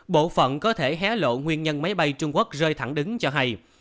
bộ phận có thể hé lộ nguyên nhân máy bay trung quốc rơi thẳng đứng cho hay